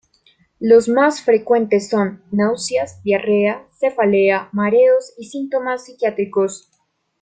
Los más frecuentes son: Náuseas, diarrea, cefalea, mareos y síntomas psiquiátricos.